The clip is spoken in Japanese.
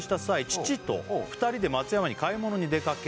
「父と２人で松山に買い物に出かけ」